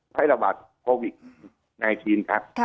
ไพระบาดโควิกในชีนครับ